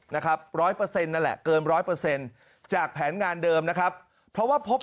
นะครับ๑๐๐นั้นแหละกลม๑๐๐จากแผนงานเดิมนะครับเพราะว่าพบ